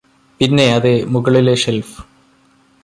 പിന്നെ അതെ മുകളിലെ ഷെല്ഫ്